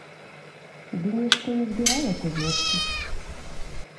Ды нешта не збіралася злосці.